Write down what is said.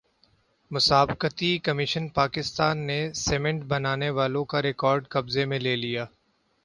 مسابقتی کمیشن پاکستان نے سیمنٹ بنانے والوں کا ریکارڈ قبضے میں لے لیا